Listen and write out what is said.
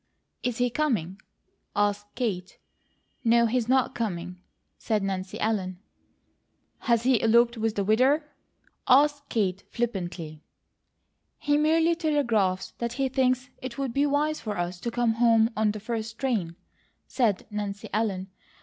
"Is he coming?" asked Kate. "No, he's not coming," said Nancy Ellen. "Has he eloped with the widder?" asked Kate flippantly. "He merely telegraphs that he thinks it would be wise for us to come home on the first train," said Nancy Ellen.